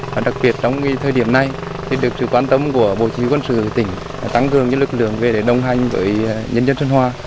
và đặc biệt trong thời điểm này được sự quan tâm của bộ chỉ huy quân sự tỉnh tăng cường lực lượng về để đồng hành với nhân dân xuân hòa